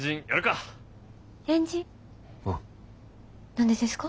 何でですか？